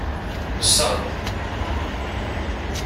Nessaɣ-d.